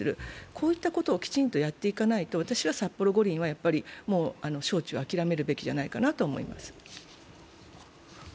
こういったことをきちんとやっていかないと、札幌五輪はもう招致は諦めるべきではないかと思います。